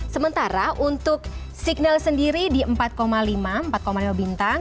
sementara untuk signal sendiri di empat lima empat lima bintang